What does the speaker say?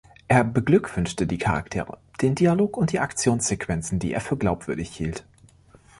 Er beglückwünschte die Charaktere, den Dialog und die Aktionssequenzen, die er für glaubwürdig hielt.